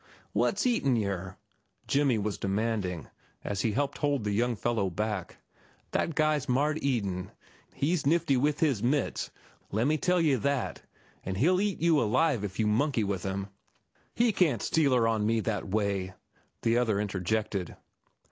"What's eatin' yer?" Jimmy was demanding, as he helped hold the young fellow back. "That guy's Mart Eden. He's nifty with his mits, lemme tell you that, an' he'll eat you alive if you monkey with 'm." "He can't steal her on me that way," the other interjected.